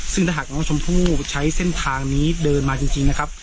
ซึ่งถ้าหากน้องชมพู่ใช้เส้นทางนี้เดินมาจริงนะครับ